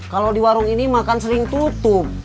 kalau di warung ini makan sering tutup